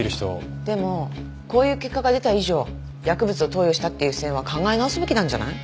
でもこういう結果が出た以上薬物を投与したっていう線は考え直すべきなんじゃない？